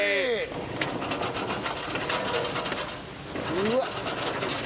うわっ！